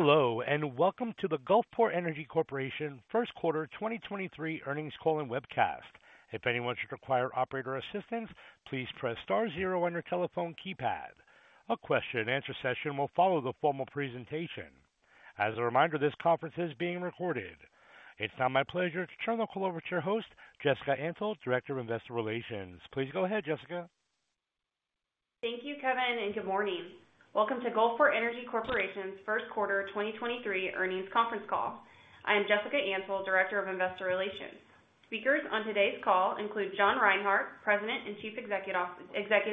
Hello, and welcome to the Gulfport Energy Corporation first quarter 2023 earnings call and webcast. If anyone should require operator assistance, please press star zero on your telephone keypad. A question and answer session will follow the formal presentation. As a reminder, this conference is being recorded. It's now my pleasure to turn the call over to your host, Jessica Antle, Director of Investor Relations. Please go ahead, Jessica. Thank you, Kevin. Good morning. Welcome to Gulfport Energy Corporation's first quarter 2023 earnings conference call. I am Jessica Antle, Director of Investor Relations. Speakers on today's call include John Reinhart, President and Chief Executive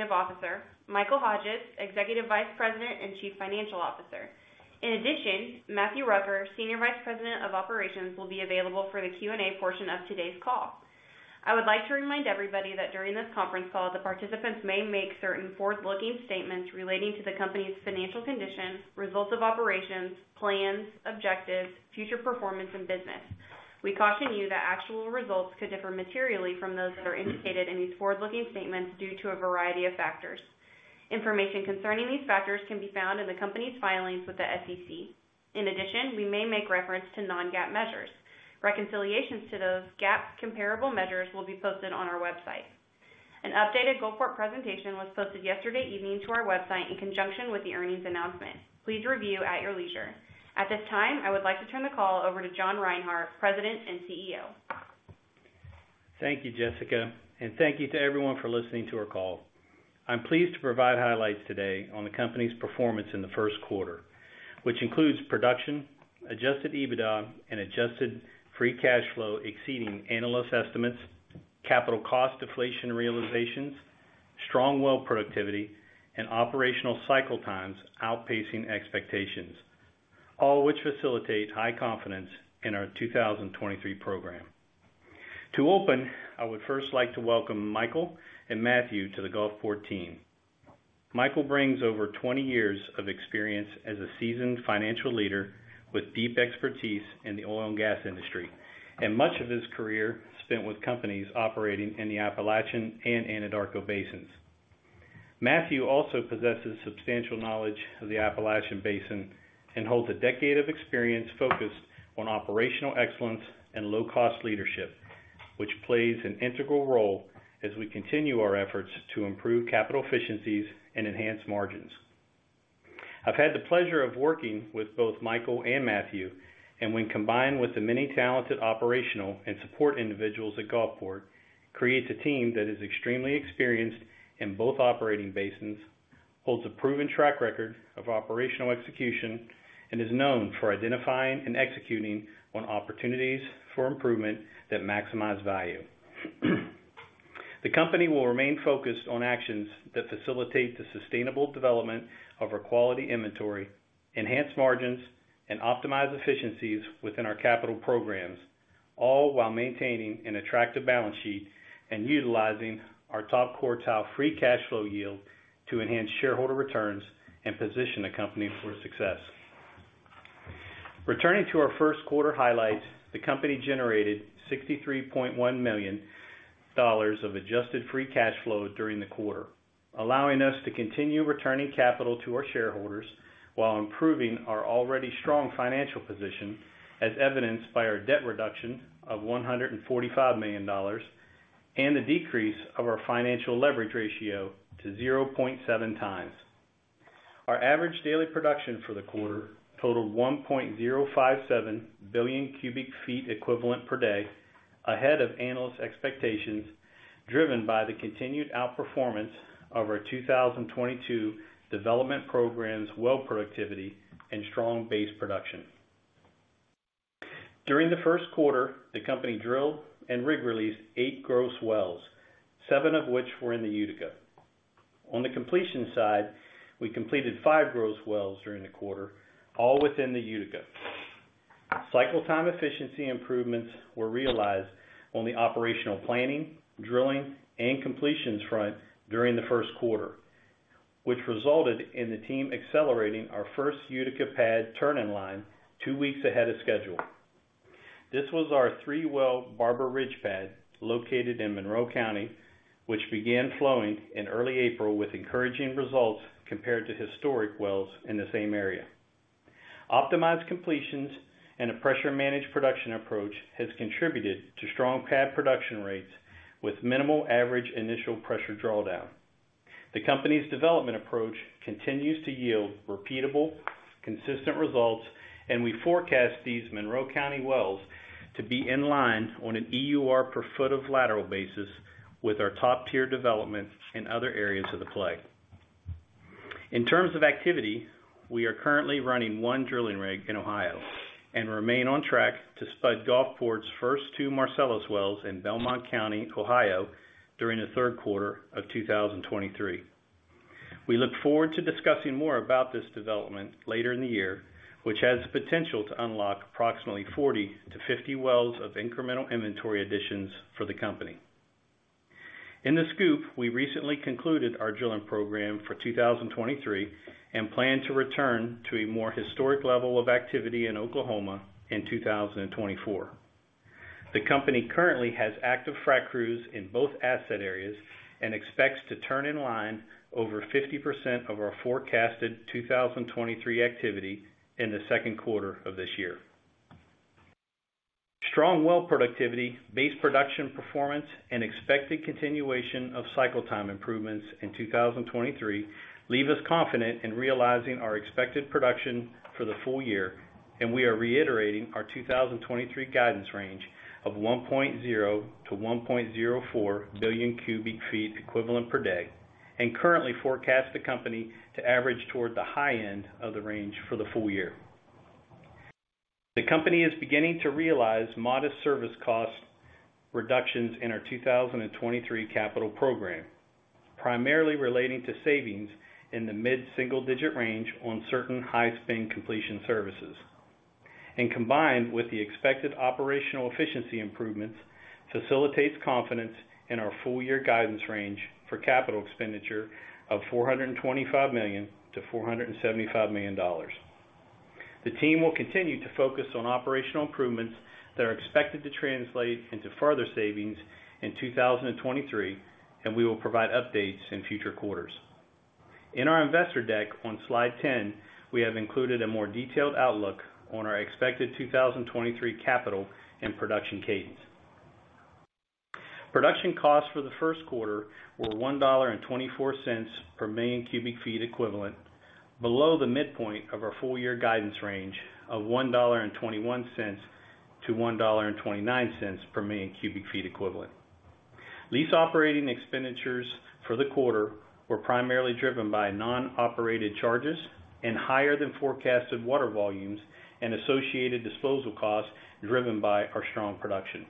Officer, Michael Hodges, Executive Vice President and Chief Financial Officer. In addition, Matthew Rucker, Senior Vice President of Operations, will be available for the Q&A portion of today's call. I would like to remind everybody that during this conference call, the participants may make certain forward-looking statements relating to the company's financial condition, results of operations, plans, objectives, future performance and business. We caution you that actual results could differ materially from those that are indicated in these forward-looking statements due to a variety of factors. Information concerning these factors can be found in the company's filings with the SEC. In addition, we may make reference to non-GAAP measures. Reconciliations to those GAAP comparable measures will be posted on our website. An updated Gulfport presentation was posted yesterday evening to our website in conjunction with the earnings announcement. Please review at your leisure. At this time, I would like to turn the call over to John Reinhart, President and CEO. Thank you, Jessica, and thank you to everyone for listening to our call. I'm pleased to provide highlights today on the company's performance in the first quarter, which includes production, adjusted EBITDA, and adjusted free cash flow exceeding analyst estimates, capital cost deflation realizations, strong well productivity, and operational cycle times outpacing expectations, all which facilitate high confidence in our 2023 program. To open, I would first like to welcome Michael and Matthew to the Gulfport team. Michael brings over 20 years of experience as a seasoned financial leader with deep expertise in the oil and gas industry, and much of his career spent with companies operating in the Appalachian and Anadarko basins. Matthew also possesses substantial knowledge of the Appalachian Basin and holds a decade of experience focused on operational excellence and low cost leadership, which plays an integral role as we continue our efforts to improve capital efficiencies and enhance margins. I've had the pleasure of working with both Michael and Matthew, and when combined with the many talented operational and support individuals at Gulfport, creates a team that is extremely experienced in both operating basins, holds a proven track record of operational execution, and is known for identifying and executing on opportunities for improvement that maximize value. The company will remain focused on actions that facilitate the sustainable development of our quality inventory, enhance margins, and optimize efficiencies within our capital programs, all while maintaining an attractive balance sheet and utilizing our top quartile free cash flow yield to enhance shareholder returns and position the company for success. Returning to our first quarter highlights, the company generated $63.1 million of adjusted free cash flow during the quarter, allowing us to continue returning capital to our shareholders while improving our already strong financial position, as evidenced by our debt reduction of $145 million and the decrease of our financial leverage ratio to 0.7 times. Our average daily production for the quarter totaled 1.057 billion cubic feet equivalent per day, ahead of analyst expectations, driven by the continued outperformance of our 2022 development program's well productivity and strong base production. During the first quarter, the company drilled and rig released 8 gross wells, 7 of which were in the Utica. On the completion side, we completed 5 gross wells during the quarter, all within the Utica. Cycle time efficiency improvements were realized on the operational planning, drilling, and completions front during the first quarter, which resulted in the team accelerating our first Utica pad turn-in-line two weeks ahead of schedule. This was our three-well Barber Ridge pad located in Monroe County, which began flowing in early April with encouraging results compared to historic wells in the same area. Optimized completions and a pressure managed production approach has contributed to strong pad production rates with minimal average initial pressure drawdown. The company's development approach continues to yield repeatable, consistent results, and we forecast these Monroe County wells to be in line on an EUR per foot of lateral basis with our top-tier developments in other areas of the play. In terms of activity, we are currently running 1 drilling rig in Ohio and remain on track to spud Gulfport's first two Marcellus wells in Belmont County, Ohio during the 3rd quarter of 2023. We look forward to discussing more about this development later in the year, which has the potential to unlock approximately 40-50 wells of incremental inventory additions for the company. In the SCOOP, we recently concluded our drilling program for 2023, plan to return to a more historic level of activity in Oklahoma in 2024. The company currently has active frac crews in both asset areas and expects to turn in line over 50% of our forecasted 2023 activity in the 2nd quarter of this year. Strong well productivity, base production performance, and expected continuation of cycle time improvements in 2023 leave us confident in realizing our expected production for the full year. We are reiterating our 2023 guidance range of 1.0 to 1.04 billion cubic feet equivalent per day. Currently forecast the company to average toward the high end of the range for the full year. The company is beginning to realize modest service cost reductions in our 2023 capital program, primarily relating to savings in the mid-single-digit range on certain high-spin completion services. Combined with the expected operational efficiency improvements, facilitates confidence in our full-year guidance range for capital expenditure of $425 million-$475 million. The team will continue to focus on operational improvements that are expected to translate into further savings in 2023, and we will provide updates in future quarters. In our investor deck on slide 10, we have included a more detailed outlook on our expected 2023 capital and production cadence. Production costs for the first quarter were $1.24 per million cubic feet equivalent, below the midpoint of our full-year guidance range of $1.21-$1.29 per million cubic feet equivalent. Lease operating expenditures for the quarter were primarily driven by non-operated charges and higher than forecasted water volumes and associated disposal costs driven by our strong production.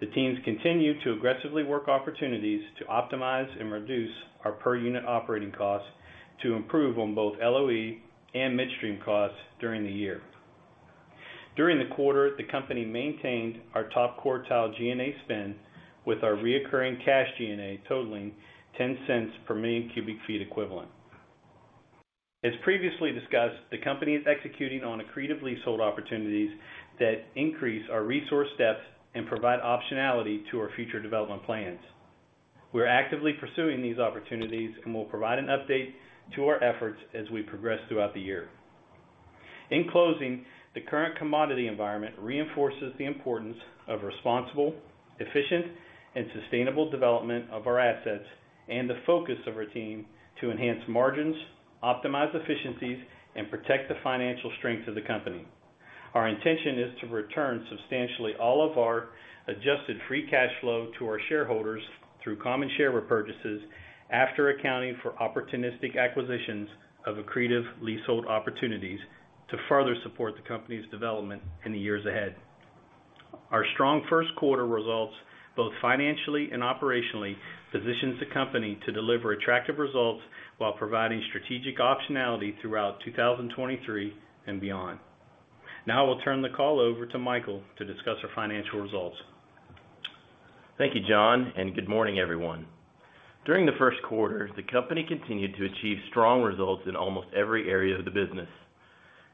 The teams continue to aggressively work opportunities to optimize and reduce our per-unit operating costs to improve on both LOE and midstream costs during the year. During the quarter, the company maintained our top-quartile G&A spend with our recurring cash G&A totaling $0.10 per million cubic feet equivalent. As previously discussed, the company is executing on accretively sold opportunities that increase our resource depth and provide optionality to our future development plans. We're actively pursuing these opportunities, we'll provide an update to our efforts as we progress throughout the year. In closing, the current commodity environment reinforces the importance of responsible, efficient, and sustainable development of our assets and the focus of our team to enhance margins, optimize efficiencies, and protect the financial strength of the company. Our intention is to return substantially all of our adjusted free cash flow to our shareholders through common share repurchases after accounting for opportunistic acquisitions of accretive leasehold opportunities to further support the company's development in the years ahead. Our strong first quarter results, both financially and operationally, positions the company to deliver attractive results while providing strategic optionality throughout 2023 and beyond. I will turn the call over to Michael to discuss our financial results. Thank you, John. Good morning, everyone. During the first quarter, the company continued to achieve strong results in almost every area of the business.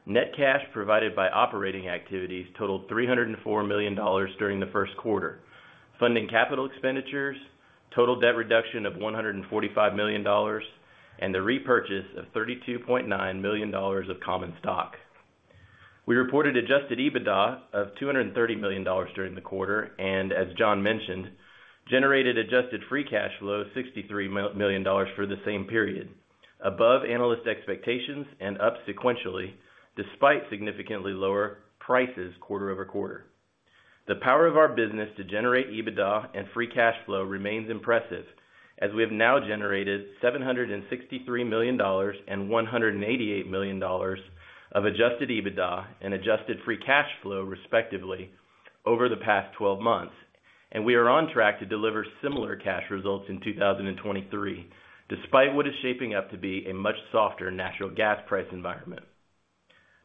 Net cash provided by operating activities totaled $304 million during the first quarter, funding capital expenditures, total debt reduction of $145 million, and the repurchase of $32.9 million of common stock. We reported adjusted EBITDA of $230 million during the quarter and, as John mentioned, generated adjusted free cash flow $63 million for the same period, above analyst expectations and up sequentially, despite significantly lower prices quarter-over-quarter. The power of our business to generate EBITDA and free cash flow remains impressive, as we have now generated $763 million and $188 million of adjusted EBITDA and adjusted free cash flow, respectively, over the past 12 months. We are on track to deliver similar cash results in 2023, despite what is shaping up to be a much softer natural gas price environment.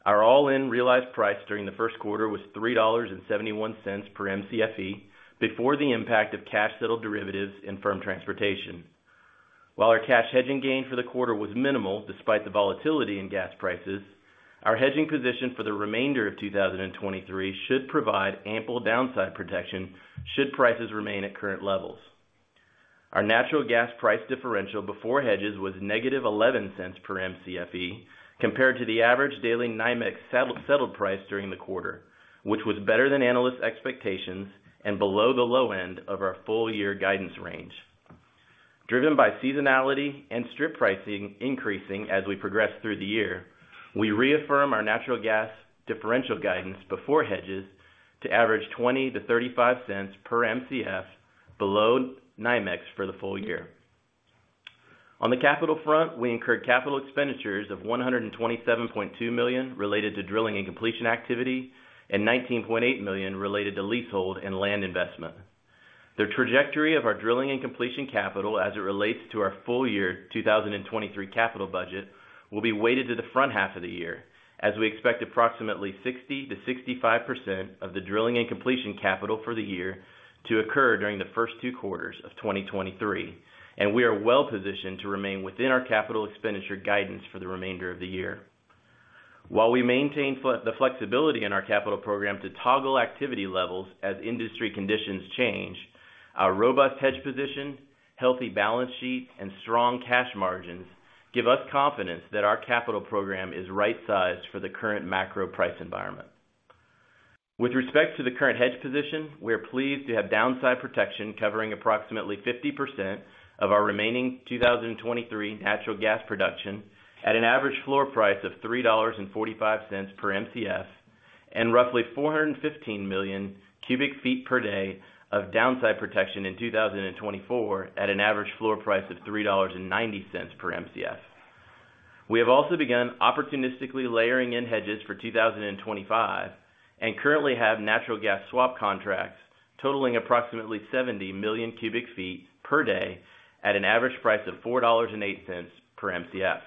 Our all-in realized price during the first quarter was $3.71 per Mcfe before the impact of cash settled derivatives and firm transportation. While our cash hedging gain for the quarter was minimal despite the volatility in gas prices, our hedging position for the remainder of 2023 should provide ample downside protection should prices remain at current levels. Our natural gas price differential before hedges was -$0.11 per Mcfe compared to the average daily NYMEX settled price during the quarter, which was better than analyst expectations and below the low end of our full-year guidance range. Driven by seasonality and strip pricing increasing as we progress through the year, we reaffirm our natural gas differential guidance before hedges to average $0.20-$0.35 per Mcf below NYMEX for the full year. On the capital front, we incurred capital expenditures of $127.2 million related to drilling and completion activity, and $19.8 million related to leasehold and land investment. The trajectory of our drilling and completion capital as it relates to our full-year 2023 capital budget will be weighted to the front half of the year as we expect approximately 60%-65% of the drilling and completion capital for the year to occur during the first two quarters of 2023. We are well-positioned to remain within our capital expenditure guidance for the remainder of the year. While we maintain the flexibility in our capital program to toggle activity levels as industry conditions change, our robust hedge position, healthy balance sheet and strong cash margins give us confidence that our capital program is right-sized for the current macro price environment. With respect to the current hedge position, we are pleased to have downside protection covering approximately 50% of our remaining 2023 natural gas production at an average floor price of $3.45 per Mcf at an average floor price of $3.90 per Mcf. We have also begun opportunistically layering in hedges for 2025, and currently have natural gas swap contracts totaling approximately 70 million cubic feet per day at an average price of $4.08 per Mcf.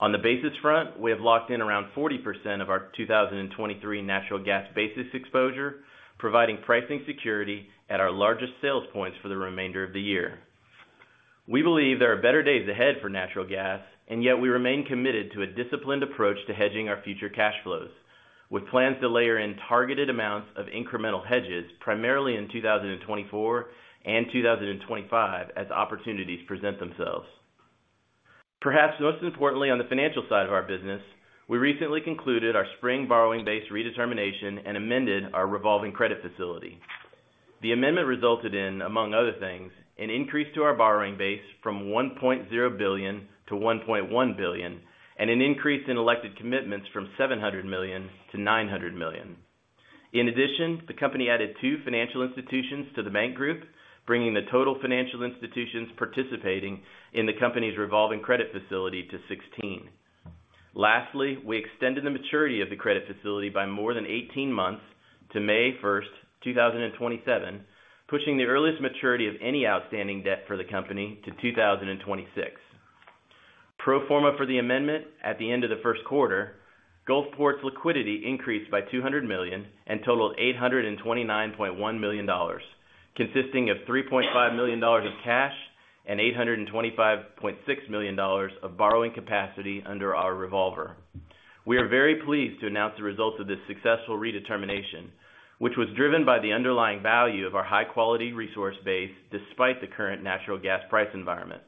On the basis front, we have locked in around 40% of our 2023 natural gas basis exposure, providing pricing security at our largest sales points for the remainder of the year. We believe there are better days ahead for natural gas, and yet we remain committed to a disciplined approach to hedging our future cash flows, with plans to layer in targeted amounts of incremental hedges primarily in 2024 and 2025 as opportunities present themselves. Perhaps most importantly, on the financial side of our business, we recently concluded our spring borrowing base redetermination and amended our revolving credit facility. The amendment resulted in, among other things, an increase to our borrowing base from $1.0 billion to $1.1 billion, and an increase in elected commitments from $700 million to $900 million. The company added two financial institutions to the bank group, bringing the total financial institutions participating in the company's revolving credit facility to 16. Lastly, we extended the maturity of the credit facility by more than 18 months to May 1, 2027, pushing the earliest maturity of any outstanding debt for the company to 2026. Pro forma for the amendment at the end of the first quarter, Gulfport's liquidity increased by $200 million and totaled $829.1 million, consisting of $3.5 million of cash and $825.6 million of borrowing capacity under our revolver. We are very pleased to announce the results of this successful redetermination, which was driven by the underlying value of our high-quality resource base despite the current natural gas price environment.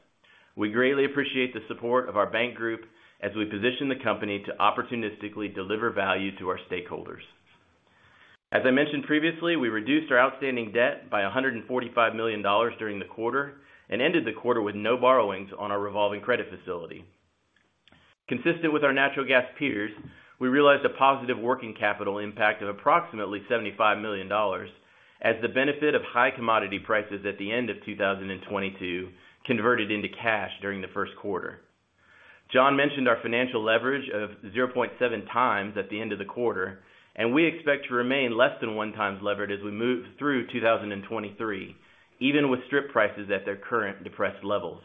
We greatly appreciate the support of our bank group as we position the company to opportunistically deliver value to our stakeholders. As I mentioned previously, we reduced our outstanding debt by $145 million during the quarter and ended the quarter with no borrowings on our revolving credit facility. Consistent with our natural gas peers, we realized a positive working capital impact of approximately $75 million as the benefit of high commodity prices at the end of 2022 converted into cash during the first quarter. John mentioned our financial leverage of 0.7 times at the end of the quarter. We expect to remain less than 1 times levered as we move through 2023, even with strip prices at their current depressed levels.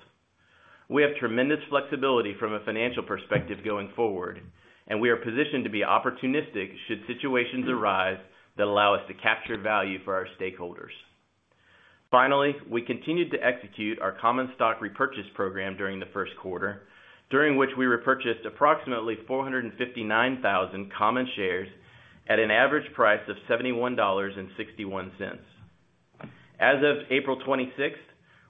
We have tremendous flexibility from a financial perspective going forward. We are positioned to be opportunistic should situations arise that allow us to capture value for our stakeholders. Finally, we continued to execute our common stock repurchase program during the first quarter, during which we repurchased approximately 459,000 common shares at an average price of $71.61. As of April 26th,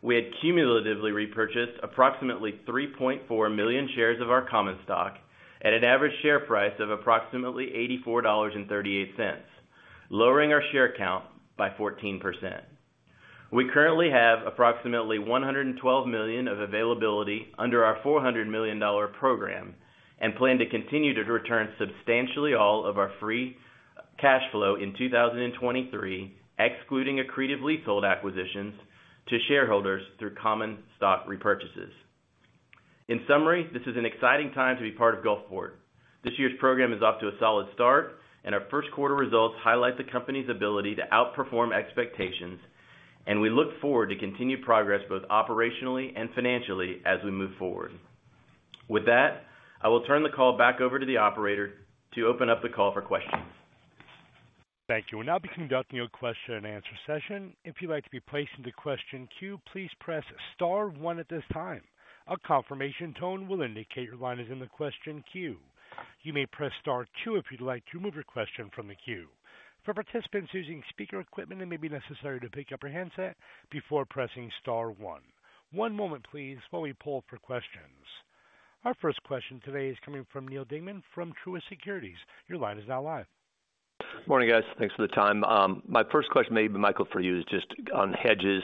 we had cumulatively repurchased approximately 3.4 million shares of our common stock at an average share price of approximately $84.38, lowering our share count by 14%. We currently have approximately $112 million of availability under our $400 million program and plan to continue to return substantially all of our free cash flow in 2023, excluding accretive leasehold acquisitions to shareholders through common stock repurchases. In summary, this is an exciting time to be part of Gulfport. This year's program is off to a solid start, and our first quarter results highlight the company's ability to outperform expectations, and we look forward to continued progress both operationally and financially as we move forward. With that, I will turn the call back over to the operator to open up the call for questions. Thank you. We'll now be conducting your question and answer session. If you'd like to be placed into question queue, please press star one at this time. A confirmation tone will indicate your line is in the question queue. You may press star two if you'd like to remove your question from the queue. For participants using speaker equipment, it may be necessary to pick up your handset before pressing star one. One moment please while we pull for questions. Our first question today is coming from Neal Dingmann from Truist Securities. Your line is now live. Morning, guys. Thanks for the time. My first question may be Michael, for you, is just on hedges.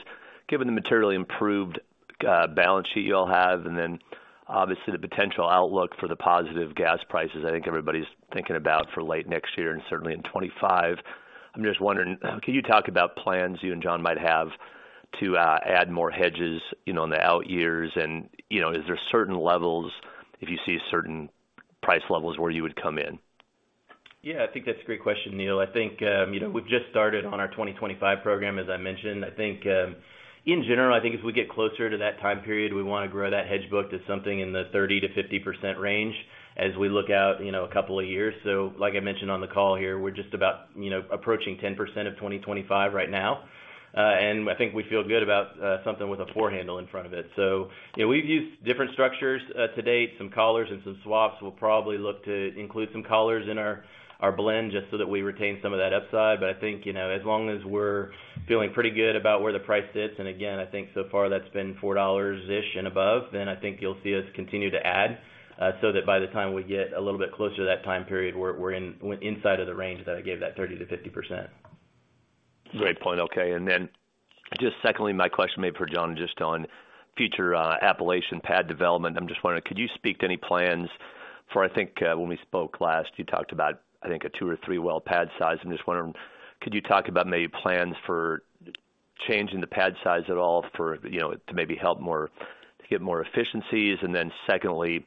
Given the materially improved balance sheet you all have, obviously the potential outlook for the positive gas prices I think everybody's thinking about for late next year and certainly in 2025, I'm just wondering, can you talk about plans you and John might have to add more hedges, you know, in the out years? Is there certain levels if you see certain price levels where you would come in? Yeah, I think that's a great question, Neal. I think, you know, we've just started on our 2025 program, as I mentioned. I think, in general, I think as we get closer to that time period, we wanna grow that hedge book to something in the 30%-50% range as we look out, you know, a couple of years. Like I mentioned on the call here, we're just about, you know, approaching 10% of 2025 right now. I think we feel good about something with a 4 handle in front of it. You know, we've used different structures to date, some collars and some swaps. We'll probably look to include some collars in our blend just so that we retain some of that upside. I think, you know, as long as we're feeling pretty good about where the price sits, and again, I think so far that's been $4-ish and above, then I think you'll see us continue to add, so that by the time we get a little bit closer to that time period, we're inside of the range that I gave that 30%-50%. Great point. Okay. Just secondly, my question maybe for John just on future Appalachian pad development. I'm just wondering, could you speak to any plans for, I think, when we spoke last, you talked about, I think a 2 or 3 well pad size. I'm just wondering, could you talk about maybe plans for changing the pad size at all for, you know, to get more efficiencies? Secondly,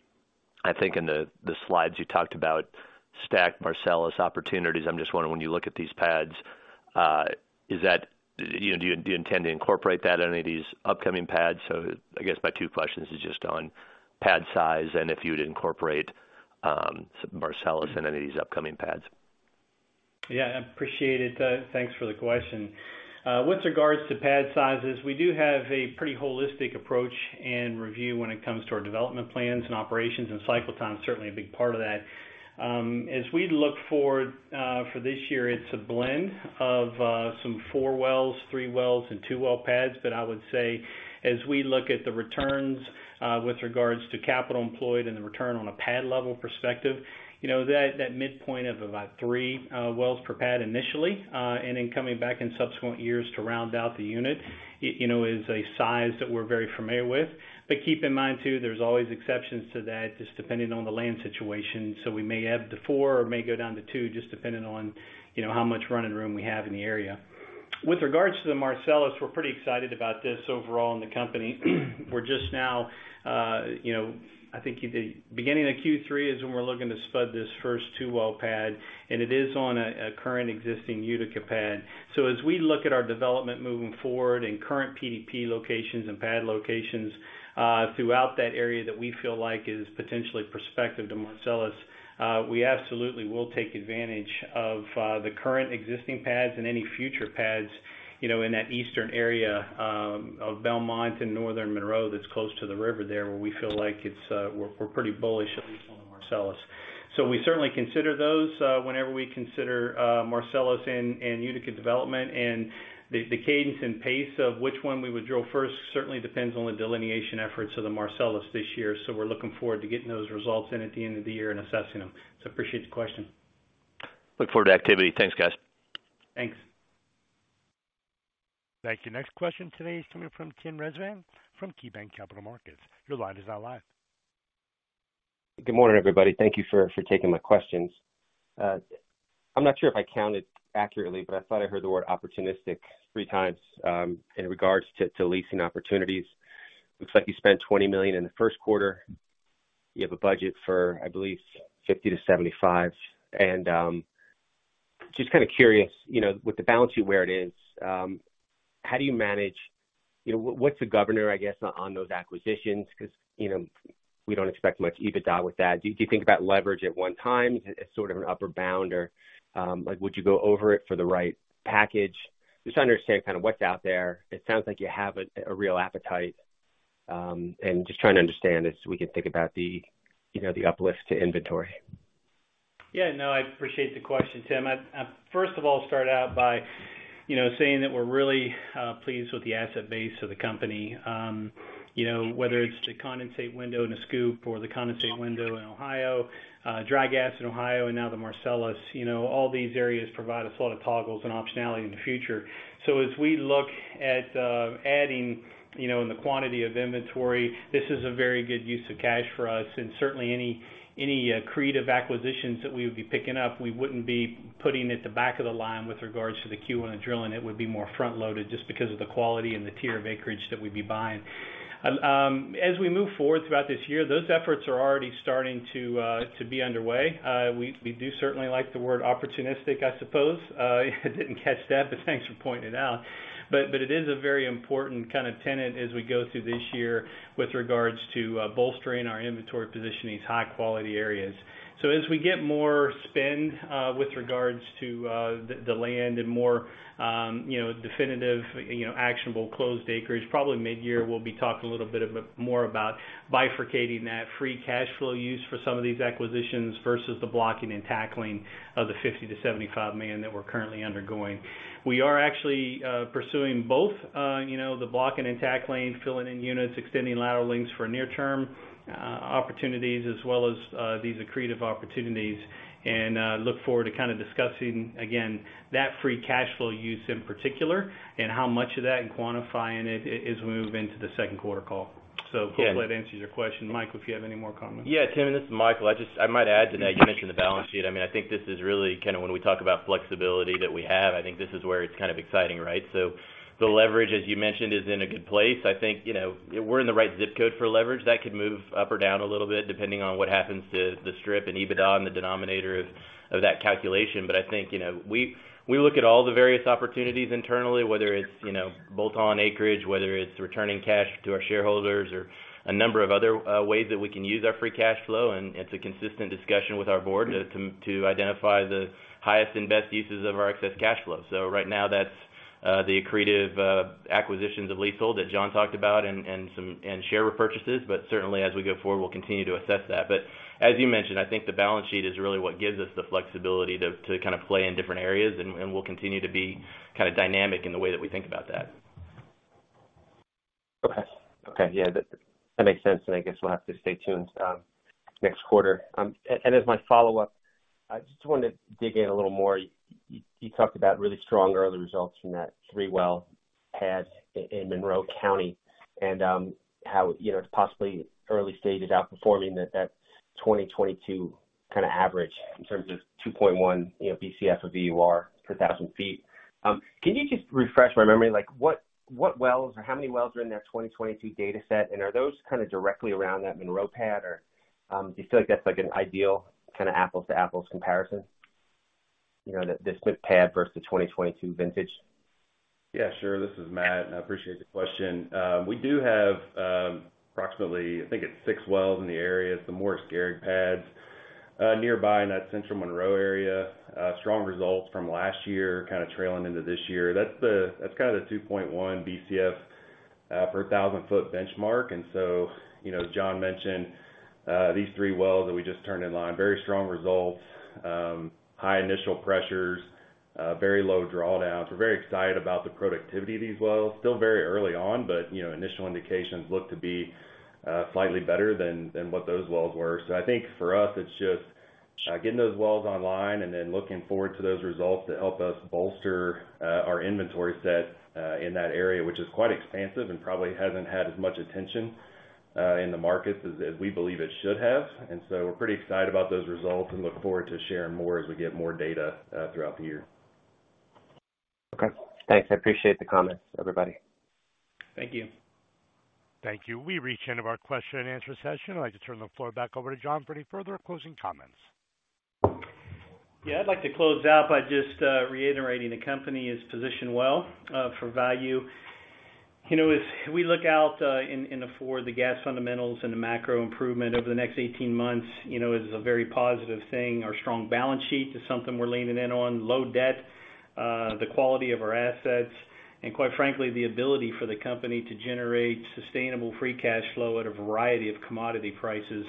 I think in the slides you talked about STACK Marcellus opportunities. I'm just wondering, when you look at these pads, do you intend to incorporate that in any of these upcoming pads? I guess my 2 questions is just on pad size and if you'd incorporate Marcellus in any of these upcoming pads. Yeah, I appreciate it. Thanks for the question. With regards to pad sizes, we do have a pretty holistic approach and review when it comes to our development plans and operations, and cycle time is certainly a big part of that. As we look forward for this year, it's a blend of some 4 wells, 3 wells, and 2 well pads. I would say, as we look at the returns, with regards to capital employed and the return on a pad level perspective, you know, that midpoint of about 3 wells per pad initially, and then coming back in subsequent years to round out the unit, it, you know, is a size that we're very familiar with. Keep in mind too, there's always exceptions to that, just depending on the land situation. We may add the 4 or may go down to 2, just depending on, you know, how much running room we have in the area. With regards to the Marcellus, we're pretty excited about this overall in the company. We're just now, you know, I think the beginning of Q3 is when we're looking to spud this first 2-well pad, and it is on a current existing Utica pad. As we look at our development moving forward and current PDP locations and pad locations, throughout that area that we feel like is potentially prospective to Marcellus, we absolutely will take advantage of the current existing pads and any future pads, you know, in that eastern area of Belmont and northern Monroe that's close to the river there, where we feel like it's, we're pretty bullish on Marcellus. We certainly consider those whenever we consider Marcellus and Utica development. The cadence and pace of which one we would drill first certainly depends on the delineation efforts of the Marcellus this year. We're looking forward to getting those results in at the end of the year and assessing them. Appreciate the question. Look forward to activity. Thanks, guys. Thanks. Thank you. Next question today is coming from Tim Rezvan from KeyBanc Capital Markets. Your line is now live. Good morning, everybody. Thank you for taking my questions. I'm not sure if I counted accurately, but I thought I heard the word opportunistic three times in regards to leasing opportunities. Looks like you spent $20 million in the first quarter. You have a budget for, I believe, $50 million-$75 million. Just kinda curious, you know, with the balance sheet where it is, how do you manage? You know, what's the governor, I guess, on those acquisitions? 'Cause, you know, we don't expect much EBITDA with that. Do you think about leverage at 1x as sort of an upper bound? Like, would you go over it for the right package? Just trying to understand kinda what's out there. It sounds like you have a real appetite, and just trying to understand as we can think about the, you know, the uplift to inventory. Yeah, no, I appreciate the question, Tim. I first of all start out by, you know, saying that we're really pleased with the asset base of the company. You know, whether it's the condensate window in the SCOOP or the condensate window in Ohio, dry gas in Ohio, and now the Marcellus, you know, all these areas provide us a lot of toggles and optionality in the future. As we look at adding, you know, in the quantity of inventory, this is a very good use of cash for us. Certainly any creative acquisitions that we would be picking up, we wouldn't be putting at the back of the line with regards to the queue on the drilling. It would be more front-loaded just because of the quality and the tier of acreage that we'd be buying. As we move forward throughout this year, those efforts are already starting to be underway. We do certainly like the word opportunistic, I suppose. I didn't catch that, thanks for pointing it out. But it is a very important kind of tenet as we go through this year with regards to bolstering our inventory position in these high-quality areas. As we get more spend with regards to the land and more, you know, definitive, you know, actionable closed acreage, probably mid-year, we'll be talking a little bit more about bifurcating that free cash flow use for some of these acquisitions versus the blocking and tackling of the $50 million-$75 million that we're currently undergoing. We are actually, you know, pursuing both the blocking and tackling, filling in units, extending lateral lengths for near term opportunities as well as these accretive opportunities and look forward to kind of discussing again that free cash flow use in particular and how much of that and quantifying it as we move into the second quarter call. Yeah. Hopefully that answers your question. Mike, if you have any more comments. Tim, this is Michael. I might add to that. You mentioned the balance sheet. I mean, I think this is really kind of when we talk about flexibility that we have, I think this is where it's kind of exciting, right? The leverage, as you mentioned, is in a good place. I think, you know, we're in the right zip code for leverage that could move up or down a little bit depending on what happens to the strip and EBITDA and the denominator of that calculation. I think, you know, we look at all the various opportunities internally, whether it's, you know, bolt-on acreage, whether it's returning cash to our shareholders or a number of other ways that we can use our free cash flow. It's a consistent discussion with our board to identify the highest and best uses of our excess cash flow. Right now that's the accretive acquisitions of leasehold that John talked about and share repurchases. Certainly as we go forward, we'll continue to assess that. As you mentioned, I think the balance sheet is really what gives us the flexibility to kind of play in different areas. We'll continue to be kind of dynamic in the way that we think about that. Okay. Yeah, that makes sense, and I guess we'll have to stay tuned next quarter. And as my follow-up, I just wanted to dig in a little more. You talked about really strong early results from that three-well pad in Monroe County and, how, you know, it's possibly early stages outperforming that 2022 kinda average in terms of 2.1, you know, Bcf of EUR per 1,000 feet. Can you just refresh my memory? Like, what wells or how many wells are in that 2022 data set, and are those kinda directly around that Monroe pad? Or, do you feel like that's like an ideal kind of apples to apples comparison, you know, this quick pad versus the 2022 vintage? Sure. This is Matt, and I appreciate the question. We do have, approximately I think it's 6 wells in the area, some more scarring pads nearby in that Central Monroe area. Strong results from last year, kind of trailing into this year. That's kind of the 2.1 Bcf per 1,000 foot benchmark. You know, John mentioned these 3 wells that we just turned-in-line, very strong results, high initial pressures, very low drawdowns. We're very excited about the productivity of these wells. Still very early on, you know, initial indications look to be slightly better than what those wells were. I think for us, it's just getting those wells online and then looking forward to those results to help us bolster our inventory set in that area, which is quite expansive and probably hasn't had as much attention in the market as we believe it should have. We're pretty excited about those results and look forward to sharing more as we get more data throughout the year. Okay. Thanks. I appreciate the comments, everybody. Thank you. Thank you. We reach end of our question and answer session. I'd like to turn the floor back over to John for any further closing comments. Yeah, I'd like to close out by just reiterating the company is positioned well for value. You know, as we look out in, and afford the gas fundamentals and the macro improvement over the next 18 months, you know, is a very positive thing. Our strong balance sheet is something we're leaning in on. Low debt, the quality of our assets, and quite frankly, the ability for the company to generate sustainable free cash flow at a variety of commodity prices.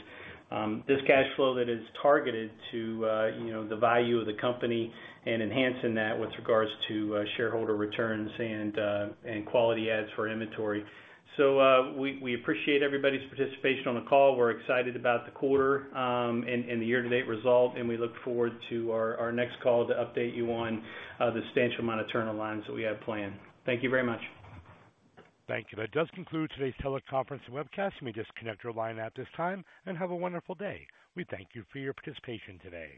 This cash flow that is targeted to, you know, the value of the company and enhancing that with regards to shareholder returns and quality adds for inventory. We, we appreciate everybody's participation on the call. We're excited about the quarter, and the year to date result, we look forward to our next call to update you on the substantial amount of turn-in-lines that we have planned. Thank you very much. Thank you. That does conclude today's teleconference and webcast. You may disconnect your line at this time and have a wonderful day. We thank you for your participation today.